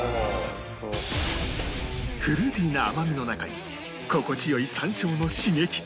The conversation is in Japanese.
フルーティーな甘みの中に心地良い山椒の刺激